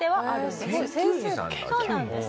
そうなんです。